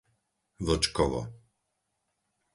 Vlčkovo